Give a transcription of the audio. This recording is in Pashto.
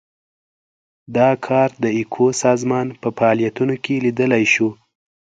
دا کار د ایکو سازمان په فعالیتونو کې لیدلای شو.